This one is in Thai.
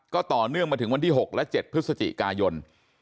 ก็ต่อเนื่องมาถึงวันที่๖และ๗พฤศจิกายน